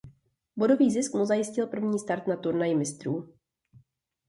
Bodový zisk mu zajistil první start na Turnaji mistrů.